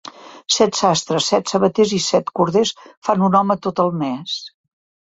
Set sastres, set sabaters i set corders fan un home tot el més.